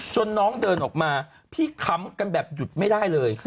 น้องเดินออกมาพี่ค้ำกันแบบหยุดไม่ได้เลย